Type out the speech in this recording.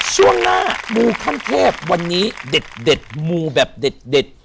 ช่วงหน้ามูข้ามเทพวันนี้เด็ดเด็ดมูแบบเด็ดเด็ด